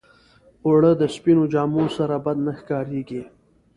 اوړه د سپينو جامو سره بد نه ښکارېږي